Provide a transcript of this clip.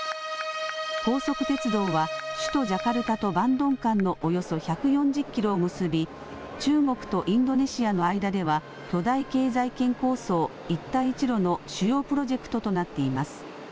高速鉄道は首都ジャカルタとバンドン間のおよそ１４０キロを結び中国とインドネシアの間では巨大経済圏構想、一帯一路の主要プロジェクトとなっています。